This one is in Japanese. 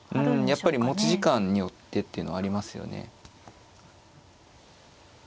やっぱり持ち時間によってっていうのありますよね。